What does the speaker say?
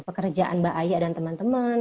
pekerjaan mba ayah dan temen temen